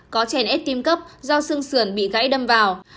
có chèn ép tim cấp do sương sườn bị gãy đâm vào